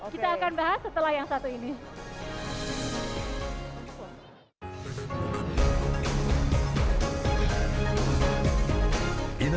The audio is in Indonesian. kita akan bahas setelah yang satu ini